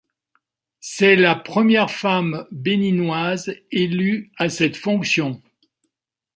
C'est la première femme béninoise élue à cette fonction.